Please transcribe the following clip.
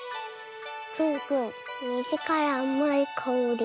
くんくんにじからあまいかおり。